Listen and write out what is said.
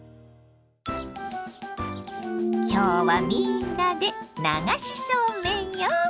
今日はみんなで流しそうめんよ！